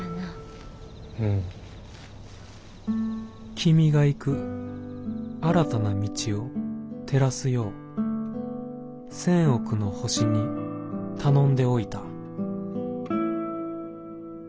「君が行く新たな道を照らすよう千億の星に頼んでおいた」。